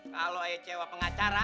kalau ayo cewek pengacara